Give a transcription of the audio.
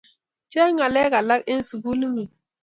Cheng ngalek alak eng sugulingung